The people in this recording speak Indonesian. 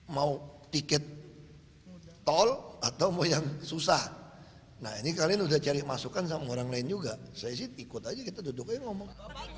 mau tiket tol atau mau yang susah nah ini kalian udah cari masukan sama orang lain juga saya sih ikut aja kita duduk aja ngomong